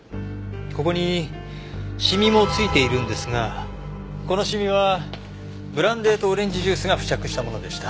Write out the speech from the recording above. ここにシミもついているんですがこのシミはブランデーとオレンジジュースが付着したものでした。